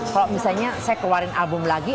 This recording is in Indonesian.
kalau misalnya saya keluarin album lagi